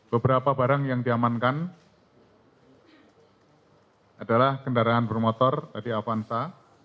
beberapa barang yang diamankan adalah kendaraan bermotor tadi avansa